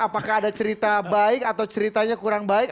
apakah ada cerita baik atau ceritanya kurang baik